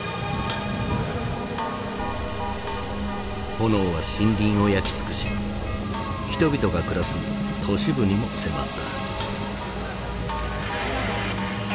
炎は森林を焼き尽くし人々が暮らす都市部にも迫った。